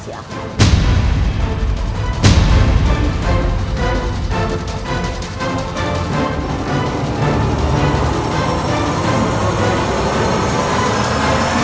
supaya kamu tidak bisa menulis rahasia